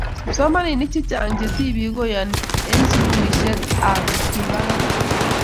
kipsomaninik chechang che tipik keyonei eng sukulisiek am kipa karik